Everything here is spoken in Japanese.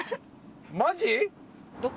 マジ？